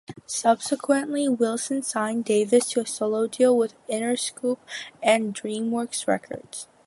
Subsequently, Wilson signed Davis to a solo deal with Interscope and then DreamWorks Records.